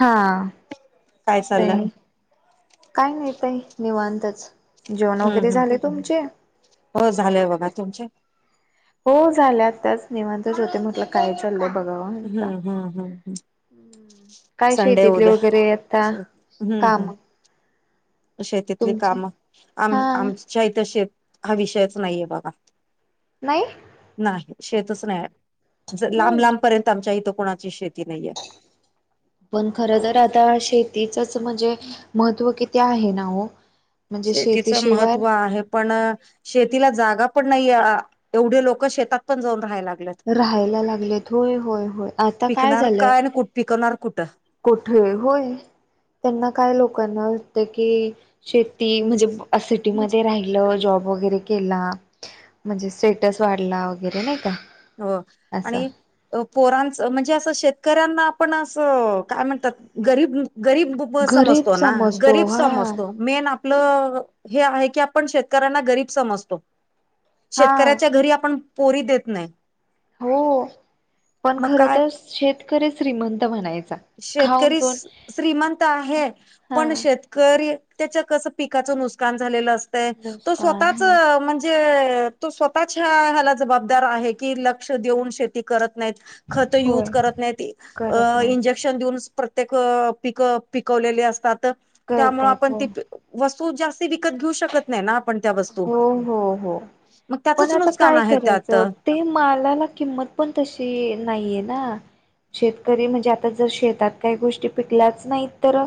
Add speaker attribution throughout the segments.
Speaker 1: हा
Speaker 2: काय
Speaker 1: ते
Speaker 2: चाललंय
Speaker 1: काय नाहीेतई निवांतच जोन
Speaker 2: हम्म
Speaker 1: वगैरे
Speaker 2: हम्म
Speaker 1: झाले तुमचे
Speaker 2: हो झालंय बघा तुमच्या
Speaker 1: हो झाल्या त्याच निेवांतच होते म्हट काय चाललंय
Speaker 2: हम्म
Speaker 1: बघाचा
Speaker 2: हम्म हम्म
Speaker 1: काय
Speaker 2: संडे
Speaker 1: शेतीतले
Speaker 2: उद्या
Speaker 1: वगैरे आता
Speaker 2: हम्म
Speaker 1: काम
Speaker 2: हम्म शेतीतली
Speaker 1: तुमचे
Speaker 2: काम आम
Speaker 1: हा
Speaker 2: आम शही तर शेत हा विषयच नाहीे बघा
Speaker 1: नाही
Speaker 2: नाही शेतच नाही लांब लांबपर्यंत आमच्या इथं कोणाची शेती नाहीय
Speaker 1: [unintelligible] पण खर तर आता शेतीचच म्हणजे महत्त्व किती आहे ना हो म्हणजे
Speaker 2: शेतीचं
Speaker 1: शेतीशिवाय
Speaker 2: महत्त्व आहे पण शेतीला जागा पण नाही एवढे लोक शेतात पण जाऊन राहाय लागले
Speaker 1: राहायला लागलेत होय होय होय आता काय
Speaker 2: पिकणार
Speaker 1: झालंय
Speaker 2: आणि कुठ पिकवणार कुठं
Speaker 1: कोठे होय त्यांना काय लोकांना वाटत की शेती म्हणजे
Speaker 2: म्हणजे
Speaker 1: सिटीमध्ये राहिली जॉब वगैरे केला म्हणजे स्टेटस वाढला वगैरे नाही का
Speaker 2: हो
Speaker 1: असं
Speaker 2: आणि पोरांचं म्हणजे असं शेतकऱ्यांना आपण असं काय म्हणतात गरीब गरीब
Speaker 1: गरीब
Speaker 2: समजतो ना
Speaker 1: समजतो
Speaker 2: गरीब
Speaker 1: हा
Speaker 2: समजतो मेन आपलं हे आहे की आपण शेतकऱ्यांना गरीब समजतो
Speaker 1: हा
Speaker 2: शेतकऱ्याच्या घरी आपण पोरी देत नाही
Speaker 1: हो पण
Speaker 2: मग
Speaker 1: खर
Speaker 2: काय
Speaker 1: तर शेतकरी श्रीमंत म्हणायचा खाऊन
Speaker 2: शेतकरी
Speaker 1: पण
Speaker 2: श्रीमंत आहे
Speaker 1: हा
Speaker 2: पण शेत त्या कस पिकच नुकसान झालेलं असतंय तो
Speaker 1: नुसकान
Speaker 2: स्वतःच
Speaker 1: हो
Speaker 2: तो स्वतःच्या ह्या जबाबदार आहे की लक्ष देऊन श नाही खत
Speaker 1: होय करत नाही
Speaker 2: प्रत्येक पिकवले असतात त्यामुळे
Speaker 1: करतात
Speaker 2: आपण
Speaker 1: हो
Speaker 2: वस्तू जास्ती विकत घेऊ शकत नाही ना आपण त्या वस्तू
Speaker 1: हो हो हो
Speaker 2: मग
Speaker 1: पण
Speaker 2: त्याचच
Speaker 1: आता
Speaker 2: नुकसान
Speaker 1: काय
Speaker 2: आहे त्यात
Speaker 1: करायचं ते मालाला किंमत पण तशी नाहीये ना शेतकरी म्हणजे आता जर शेतात काही गोष्टी पिकल्याच नाही तर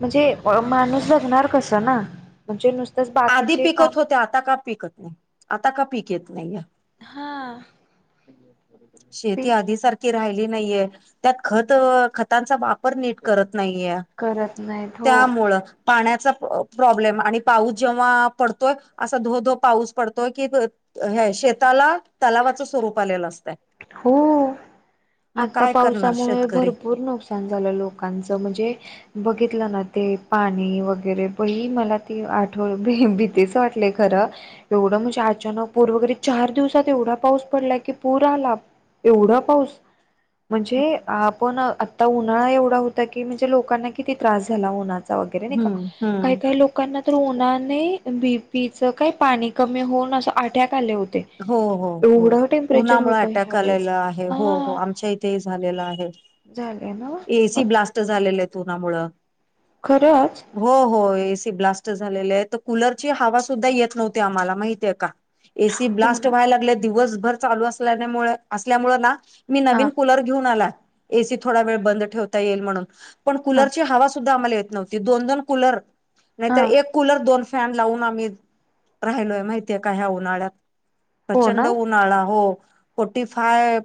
Speaker 1: म्हणजे माणूस जगणार कस ना म्हणजे नुसतच
Speaker 2: आधी
Speaker 1: बाकीचे काम
Speaker 2: पिकत आता का पिकत नाही आता का पीक येत नाहीय
Speaker 1: हा
Speaker 2: शेती
Speaker 1: पीक
Speaker 2: आधी सारख राहिली नाहीये त्यात खत खतांचा वापर नीट करत नाहीये
Speaker 1: करत नाहीत हो
Speaker 2: त्यामुळे पाण्याचा प्रॉब्लेम पा जेव्हा पडतोय असा धो धो पाऊस पडतोय की हे शेताला तलावाचं स्वरूप आलेलं असतय
Speaker 1: हो आता
Speaker 2: करणार
Speaker 1: पावसामुळे
Speaker 2: शेतकरी?
Speaker 1: भरपूर नुकसा क छान झालं लोकांचं म्हणजे बघितलं ना ते पाणी वगैरे प मला ती आठव भीतीच वाटले खरं एवढं म्हणजे अचानक पूर्व घरी चार दिवसात एवढा पाऊस पडलाय की पूर आला एवढा पाऊस म्हणजे आपण आता उन्हाळा एवढा होता णे लोना क त का
Speaker 2: हम्म
Speaker 1: का
Speaker 2: हम्म
Speaker 1: का ल लोकांना तर उन्हाने बी पीचं काही पाणी कमी होऊन असं आट्याक आले होते
Speaker 2: हो हो हो
Speaker 1: एवढं टेम्परेचर
Speaker 2: उन्हामुळे
Speaker 1: होतं
Speaker 2: अटॅक
Speaker 1: ह्यावेेळेस
Speaker 2: आल्या
Speaker 1: हा
Speaker 2: आ
Speaker 1: झाले ना
Speaker 2: इथ
Speaker 1: मग
Speaker 2: जास्त झालेले त उ्हामुळ
Speaker 1: खरंच
Speaker 2: हो हो एसी ब्लास्ट झालेली आहे तर कुलरची हवा सुद्धा येत नव्हती आम्हाला माहितीे का ती
Speaker 1: हो
Speaker 2: ब्लास्ट
Speaker 1: ना
Speaker 2: व्हायला लागली दिवसभर चालू असल्या असल्यामुळे ना मी
Speaker 1: हा
Speaker 2: नवीन कुलर घेऊन आला एसी थोडा वेळ बंद ठेवता येईल म्हणून पण
Speaker 1: हा
Speaker 2: कूलरची हवा सुद्धा आम्हाला येत नव्हती दोन दोन कुलर
Speaker 1: हा
Speaker 2: नाहीतर एक कूलर दोन फॅन लावून आम्ही राहिलोय माहितीय का ह्या उन्हाळ्यात
Speaker 1: हो
Speaker 2: प्रचंड
Speaker 1: ना
Speaker 2: ळा हो फोटी फाय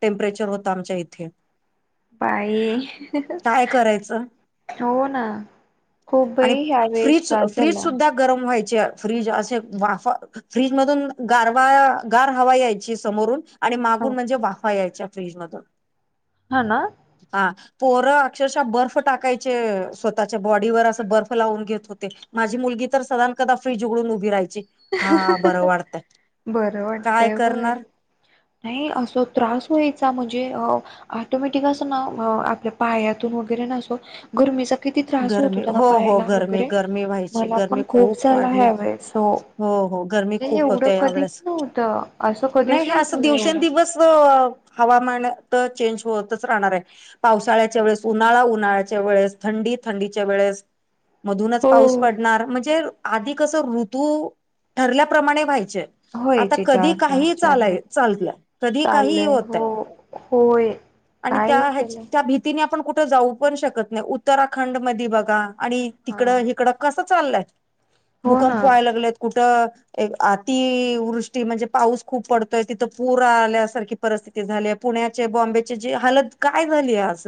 Speaker 2: टेम्परेचर होत आमच्या इथे
Speaker 1: बाई
Speaker 2: काय करायचं
Speaker 1: हो ना
Speaker 2: आणि
Speaker 1: खूपही ह्या वेळेस
Speaker 2: फ्रीज
Speaker 1: त्रास
Speaker 2: फ्रीज
Speaker 1: झाला
Speaker 2: सुद्धा गरम व्हायचे फ्रीज असे वाफ फ्रीज मधून गारवा गार हवा यायची समोरून आणि
Speaker 1: ह
Speaker 2: मागून म्हणजे वाफवा यायच्या फ्रीजमधून
Speaker 1: हा ना
Speaker 2: हा पोरं अक्षरशः बर्फ टाकायचे स्वतःच्या बॉडीवर असं बर्फ लावून घेत होते माझी मुलगी तर सधान कदा फ्रीज उघडून उभी राहायची हा बरं वाटतं
Speaker 1: बरं वाटतंय बय नाही असं त्रास वयचा म्हणजे ऑटोमॅटिक असं ना आपल्या पायातून वगैरे नसो गरमीचा किती त्रास होत
Speaker 2: गरमी
Speaker 1: होता ना
Speaker 2: हो हो
Speaker 1: पायला
Speaker 2: गरमी
Speaker 1: वगैरे
Speaker 2: गरमी व्हायची
Speaker 1: मला
Speaker 2: गरमी
Speaker 1: पण खूप झाला
Speaker 2: वाढली
Speaker 1: ह्या वळे सो
Speaker 2: हो हो गरमी खूप होते या वळेस
Speaker 1: नव्हतं असं
Speaker 2: नाही
Speaker 1: कधीच
Speaker 2: हे असं
Speaker 1: झालं एवढं
Speaker 2: दिवसेंदिवस हवामान तर चेंज होतच राहणार आहे पावसाळ्याच्या वेळेस उन्हाळा उन्हाळ्याच्या वेळेस थंडीत थंडीच्या वेळेस मधूनच पाऊस
Speaker 1: हो
Speaker 2: पडणार म्हणजे आधी कस ऋतू ठरल्याप्रमाणे व्हायचे आता
Speaker 1: व्हायचे
Speaker 2: कधी
Speaker 1: चार चार
Speaker 2: काही
Speaker 1: चार
Speaker 2: चालाय
Speaker 1: नाही
Speaker 2: चालतल्या कधी काही
Speaker 1: चाललंय
Speaker 2: होतय
Speaker 1: हो होय
Speaker 2: आणि त्या
Speaker 1: काय
Speaker 2: ह
Speaker 1: त्याला
Speaker 2: त्या भी तिने आपण कुठ जाऊ पण शकत नाही उत्तराखंड मध्ये बघा आणि
Speaker 1: हा
Speaker 2: तिकड हिकडं कस चाललायत
Speaker 1: हो ना
Speaker 2: भूकंप व्हायला लागलेत कुठं एक अतिवृष्टी म्हणजे पाऊस खूप पडतोय तिथं पूर आल्यासारखी परिस्थिती झाली पुण्याचे बॉम्बेची जी हलत काय झाली आहे आज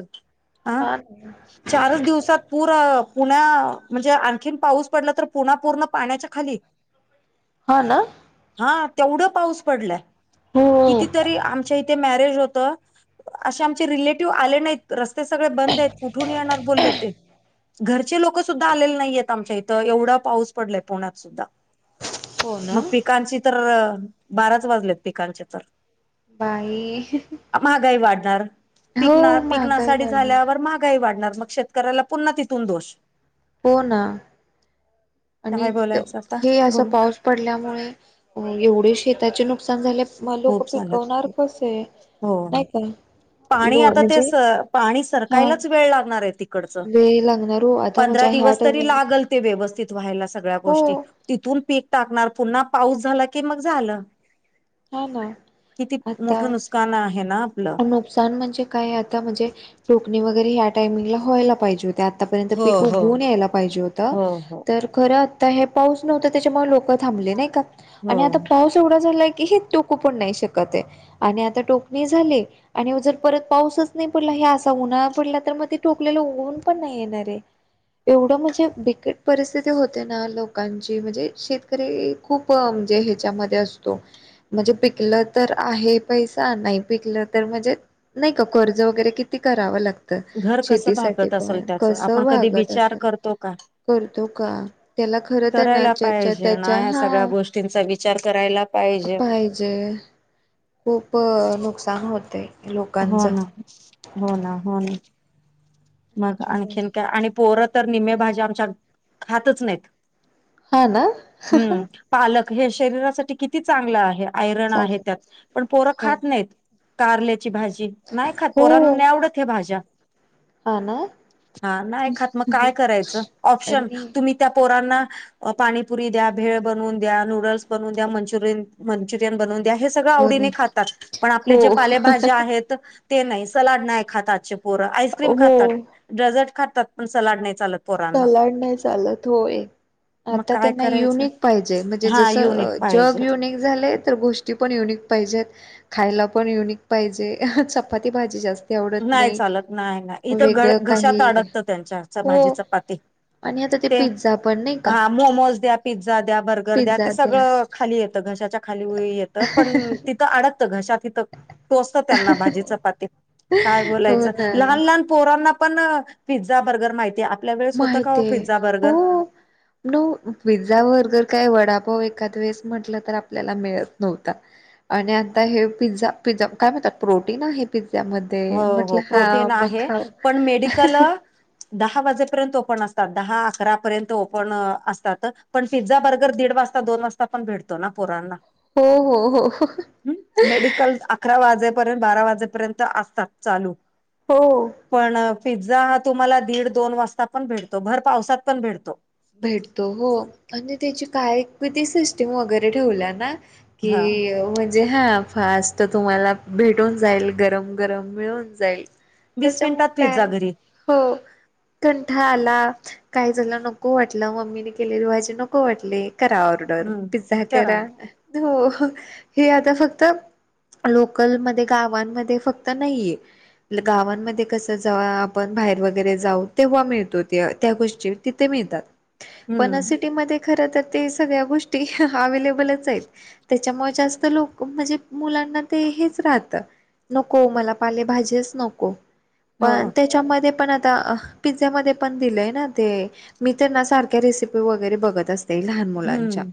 Speaker 2: अ
Speaker 1: हा ना
Speaker 2: चारच दिवस पुण्या म्हणजे आणखी पाऊस पडला तर पुण्या पूर्ण पाण्याच्या खाली
Speaker 1: ह ना
Speaker 2: हा तेवढं पाऊस पडलाय
Speaker 1: हम्
Speaker 2: कितीतरी आमच्या इथे मॅरेज होत असे आमचे रिलेटिव्ह आले नाहीत रस्ते सगळे बंद आहेत कुठून येणार बोलले ते घरचे लोक सुद्धा आलेले नाहीयेत आमच्या इथं एवढा पाऊस पडलाय पुण्यात सुद्धा
Speaker 1: हो ना
Speaker 2: मग पिकांची तर बाराच वाजलेत पिकांचे तर
Speaker 1: बाई
Speaker 2: महागाई वाढणार पिक
Speaker 1: हो महागाई
Speaker 2: पिकनासाठी
Speaker 1: वाढली
Speaker 2: झाल्यावर महाग का वाढणार मग शेतकऱ्याला पुन्हा तिथून दोष
Speaker 1: हो ना आणि
Speaker 2: काय बोलायचं आता
Speaker 1: हे असं
Speaker 2: बोला
Speaker 1: पाऊस पडल्यामुळे एवढे शेताचे नुकसान झाले म लोक
Speaker 2: खूप झालं
Speaker 1: पिकवणार
Speaker 2: खूप.
Speaker 1: कस आहे
Speaker 2: हो
Speaker 1: नाही का
Speaker 2: पाणी
Speaker 1: लो
Speaker 2: आता ते
Speaker 1: म्हणजे
Speaker 2: स पाणी
Speaker 1: हा
Speaker 2: सरकायलाच वेळ लागणार आहे तिकडच
Speaker 1: वेळ लागणार हो आता
Speaker 2: पं
Speaker 1: म्हणजे ह्या
Speaker 2: दिवस तरी
Speaker 1: टायमिंग
Speaker 2: ला ते व्यवस्थित व्हायला सगळ्या
Speaker 1: हो
Speaker 2: गोष्टी तिथून पीक टाकणार पुन्हा पाऊस झाला की मग झालं
Speaker 1: हा ना
Speaker 2: किती मोठं नुसकान आहे ना आपलं
Speaker 1: सण म्हणजे काय आता म्हणजे टोकणी वगैरे ह्या टायमिंगला व्हायला पाहिजे होत्यात आतापर्यंत
Speaker 2: हो
Speaker 1: प खू
Speaker 2: हो
Speaker 1: घून यायला पाहिजे होतं
Speaker 2: हो हो
Speaker 1: तर खरं आता हे पाऊस नव्हतं त्याच्यामुळे लोक थांबले नाही का आणि
Speaker 2: हो
Speaker 1: आता पाऊस एवढा झालाय की हे टोकू पण नाही शकत आणि आता टोकणी झाली आणि जर परत पाऊसच नाही पडला हे असा उन्हाळा पडला तर मग ते ठोकलेला ऊन पण नाही येणार आहे एवढं म्हणजे बिकट परिस्थिती होते ना लोकांची म्हणजे शेतकरी खूप म्हणजे ह्याच्यामध्ये असतो म्हणजे पिकलं तर आहे पैसा नाही पिकलं तर म्हणजे नाही का कर्ज वगैरे किती करावं लागत
Speaker 2: घर कसं
Speaker 1: शेतीसाठी
Speaker 2: भागत असेल
Speaker 1: पण
Speaker 2: त्याच
Speaker 1: कस
Speaker 2: आपण कधी
Speaker 1: वागत
Speaker 2: विचार
Speaker 1: असेल
Speaker 2: करतो का
Speaker 1: करतो का त्याला खरं तर ना त्याच्या त्याच्या हा
Speaker 2: ंचा विचार करायला पाहिजे
Speaker 1: जे खूप नुकसान होते
Speaker 2: हो
Speaker 1: लोकांच
Speaker 2: ना हो ना हो ना मग
Speaker 1: त्याच्यामुळे
Speaker 2: आणखीन काय आणि पोरं तर निम्मे भाजी आमच्या खातच नाहीत
Speaker 1: हा ना
Speaker 2: हम्म पालक हे शरीरासाठी किती चांगला आहे आयरण आहे
Speaker 1: चालेल
Speaker 2: त्यात पण पोरं
Speaker 1: हो
Speaker 2: खात नाहीत कारल्याची भाजी नाही खात पोरना
Speaker 1: हो
Speaker 2: नाही आवडत हे भाज्या
Speaker 1: हा ना
Speaker 2: हा नाही खात मग काय करायचं ऑप्शन
Speaker 1: आणि
Speaker 2: तुम्ही. त्या पोरांना पाणीपुरी द्या भेळ बनवून द्या नूडल्स बनून द्या मंचुरियन. मंचुरियन बनवून द्या हे सगळं
Speaker 1: बरं
Speaker 2: आवडीने खातात पण आपले
Speaker 1: हो
Speaker 2: जे पालेभज्या आहेत. ते नाही सलाड नाही खाताते पोरं आईस्क्रीम
Speaker 1: हो
Speaker 2: खातात डेझर्ट खातात पण सलाड नाही चालत. पोरांना
Speaker 1: सलाड नाही चालत होय.
Speaker 2: मग
Speaker 1: आता
Speaker 2: काय
Speaker 1: त्यांना
Speaker 2: करायचं
Speaker 1: युनिक पाहिजे म्हणजे
Speaker 2: हा
Speaker 1: जस
Speaker 2: युनिक
Speaker 1: जग
Speaker 2: पाहिजे
Speaker 1: युनिक. झाले तर गोष्टी पण युनिक पाहिजेत. खायला पण युनिक पाहिजे चपाती भाजी जास्त.
Speaker 2: नाही चालत नाही नाही इथं घ
Speaker 1: काही
Speaker 2: घशात अडकतं त्यांच्या
Speaker 1: हो
Speaker 2: भाजीच पाती.
Speaker 1: आणि आता ते पिझ्झा. पण नाही का
Speaker 2: हा मोमोज द्या पिझ्झा द्या बर्गर द्या ते
Speaker 1: पिझ्झा त्या
Speaker 2: सगळं खाली येतं घशाच्या खाली येत. पण तिथं अडतत घशात तिथं टोसत त्यांना भाजीच पाती. काय
Speaker 1: हो
Speaker 2: बोलायचं
Speaker 1: ना
Speaker 2: लहान लहान पोरांना पण पिझ्झा बर्गर माहितीय. आपल्या वेळे होत का हो पिझ्झा बर्गर.
Speaker 1: न पझ्झा वगर काय वडापाव एखाद वेळेस म्हटलं तर आपल्याला मिळत नव्हता. आणि आता हे पिझ्झा पिझ्झा काय म्हणतात प्रोटीन आहे पिझ्झा मध्ये.
Speaker 2: हो हो प्रोटीन आहे पण मेडिकल. दहा वाजेपर्यंत ओपन असतात दहा अकरा पर्यंत ओपन असतात पण पिझ्झा बर्गर दीड वाजता. आता दोन वाजता पण भेडतो ना पुोरांना.
Speaker 1: हो हो हो.
Speaker 2: काल अकरा वाजेपर्यंत बारा वाजेपर्यंत असतात चालू.
Speaker 1: हो.
Speaker 2: पण पिझ्झा हा तुम्हाला दीड दोन वाजता पण भेटतो भर पावसात पण भेटतो.
Speaker 1: भेटतो हो आणि त्याची काय कती सिस्टीम वगैरे ठेवल्या ना. क.
Speaker 2: हा
Speaker 1: म्हणजे हा फास्ट तुम्हाला भेटून जाईल गरम गरम मिळून जाईल.
Speaker 2: वीस
Speaker 1: त्याच्यामुळे
Speaker 2: मिनिटात पिझ्झा
Speaker 1: काय
Speaker 2: घरी
Speaker 1: हो कंठ आला काय झालं नक. नको वाटलं मम्मीने केलेली भाजी नको वाटली करा ऑर्डर पिझ्झा करा. हो हे आता फक्त. लोकलमध्येध्ये गावांमध्ये फक्त नाहीये. गावांमध्ये कसं जव आपण बाहेर वगैरे जाऊ तेव्हा मिळतो ते त्या गोष्टी. ते मिळतात पन
Speaker 2: हम्म
Speaker 1: सिटीमध्ये खर तर ते सगळ्या गोष्टी अवेलेबलच आहेत. त्याच्यामुळे जास्त लोक म्हणजे मुलांना ते हेच राहतं. नको मला पालेभाजीच नको.
Speaker 2: हो
Speaker 1: पण त्याच्यामध्ये पण आता पिझ्झा मध्ये पण दिलंय ना ते. मी तर ना सारख्या रेसिपी वगैरे बघत असते लहान मुलांच्या
Speaker 2: हम्म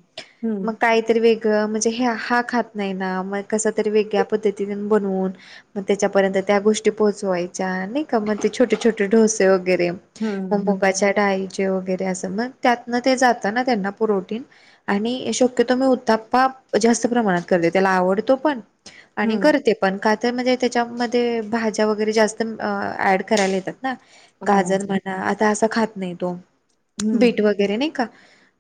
Speaker 1: मग
Speaker 2: हम्म
Speaker 1: काहीतरी वेग. म्हणजे हे हा खात नाही ना म कस तरी वेगळ्या पद्धती बनवून. मग त्याच्यापर्यंत त्या गोष्टी पोहोचवायच्या नाही का मग ते छोटे छोटे डोसे वगैरे. मग
Speaker 2: हम्म
Speaker 1: मुगाच्या डाळीचे वगैरे असं मग त्यातन ते जात ना त्यांना प्रोटीन. आणि शक्यतो मी उत्थप्पाप जास्त प्रमाणात करते त्याला आवडतो पण. आणि
Speaker 2: हम्म
Speaker 1: करते पण खात म्हणजे त्याच्यामध्ये भाज्या वगैरे जास्त ऍड करायला येतात. ना
Speaker 2: हम्म
Speaker 1: गाजर म्हणा आता असं खात नाही तो.
Speaker 2: हम्म
Speaker 1: भेट वगैरे नाही का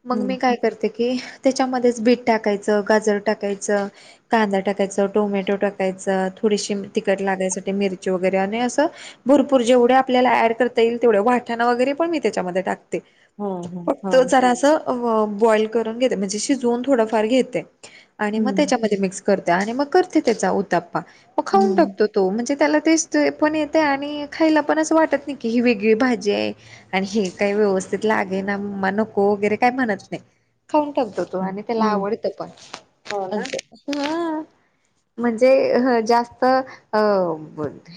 Speaker 1: मग
Speaker 2: हम्म
Speaker 1: मी काय करते. की त्याच्यामध्येच बीट टाकायचं गाजर टाकायचं. कांदा टाकायचं टोमॅटो टाकायचं थोडीशी तिखट लागायसाठी मिरची वगैरे आणि असं. भरपूर जेवढे आपल्याला ऍड करता येईल तेवढ्या वाठणं वगैरे पण मी त्याच्यामध्ये टाकते.
Speaker 2: हो हो हो
Speaker 1: फक्त जरा असं. बॉईल करून घेते म्हणजे शिजून थोडंफार घेते आणि मग
Speaker 2: हम्म
Speaker 1: त्याच्यामध्ये मिक्स. करते आणि मग करते त्याचा उताप्पा मग खाऊन
Speaker 2: हम्म
Speaker 1: टाकतो. तो म्हणजे त्याला तेस्ट पण येत आहे आणि खायला पण असं वाटत नाही की ही वेगळी भाजी आहे. आणि हे काही व्यवस्थित लागे ना नको वगैरे काय म्हणत नाही खाऊन ठाकतो आणि त्याला
Speaker 2: हम्म
Speaker 1: आवडत पण
Speaker 2: हो ना
Speaker 1: म्हणजे जास्त अ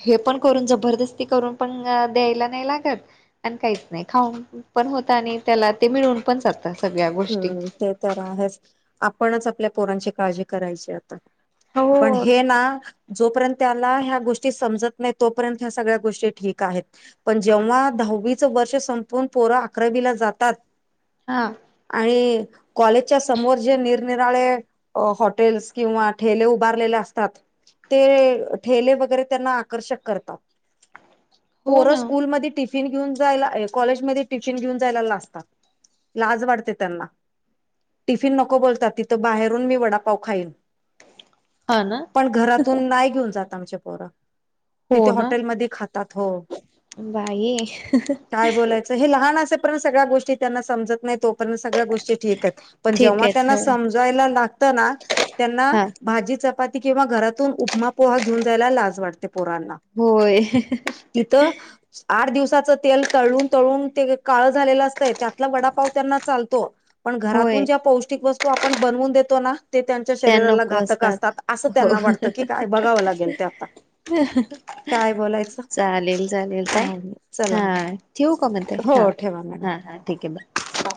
Speaker 1: हे पण करून जबरदस्ती करून पण द्यायला नाही लागत आणि काहीच नाही खाऊन पण होत आणि त्याला ते मिळून पण जग सगळ्या गोष्टी
Speaker 2: हम्म ते तर आहेच आपणच आपल्या पोरांची काळजी करायची आता पण
Speaker 1: हो
Speaker 2: हे ना जोपर्यंत त्याला ह्या गोष्टी समजत नाही तोपर्यंत ह्या सगळ्या गोष्टी ठीक आहेत पण जेव्हा दहावीचं वर्ष संपून पोरां अकरावीला जातात
Speaker 1: हां
Speaker 2: आणि कॉलेजच्या समोर जे निरनिराळे अ हॉटेल्स किंवा ठेले उभारलेले असतात ते ठेले वगैरे त्यांना आकर्षक करतात
Speaker 1: ह
Speaker 2: पोर स्कूलमध्ये टिफ टिफिन घेऊन जायला कॉलेजमध्ये टिफिन घेऊन जायला लातात लाज वाटते टिफिन नको बोलतात तिथं बाहेरून मी वडापाव खाईन
Speaker 1: हा ना
Speaker 2: पण घरातून नाही घेऊन जात आमच्या पोरा
Speaker 1: हो
Speaker 2: तिथे
Speaker 1: ना
Speaker 2: हॉटेलमध्ये खातात हो
Speaker 1: बाई
Speaker 2: काय बोलात हे लहान असर्ंत सगळ्या गोष्टी त्यांना समजत नाही तोर्ंत सगळ्या गोष्टी क पण
Speaker 1: ठीक
Speaker 2: जेव्हा
Speaker 1: आहेत
Speaker 2: त्यांना
Speaker 1: हो
Speaker 2: समजायला लागत ना त्यांना
Speaker 1: हा
Speaker 2: भाजी ची किंवा घरातून उपमा पोहा घेऊन जायला लाज वाटते पोरांना
Speaker 1: होय
Speaker 2: तिथं आठ दिवसाच तेल तळून तळून ते काळं झालेलं असतं त्यातला वडापाव त्यांना चालतो पण घरातून
Speaker 1: होय
Speaker 2: ज्या पौष्टिक वस्तू आपण बनवून देतो ना ते त्यांच्या
Speaker 1: त्या
Speaker 2: शरीराला
Speaker 1: नको
Speaker 2: घातक असतात असं
Speaker 1: हो
Speaker 2: त्यांना वाटतं की काय बघावं लागेल ते आता काय बोलायचं
Speaker 1: चालेल
Speaker 2: चला
Speaker 1: ठथऊ का म ते हा हा हा ठीक आहे बा
Speaker 2: बा